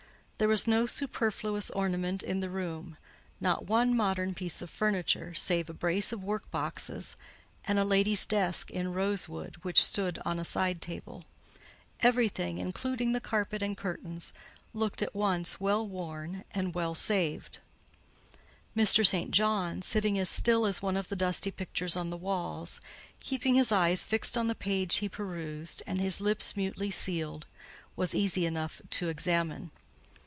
There was no superfluous ornament in the room—not one modern piece of furniture, save a brace of workboxes and a lady's desk in rosewood, which stood on a side table: everything—including the carpet and curtains—looked at once well worn and well saved. Mr. St. John—sitting as still as one of the dusty pictures on the walls, keeping his eyes fixed on the page he perused, and his lips mutely sealed—was easy enough to examine.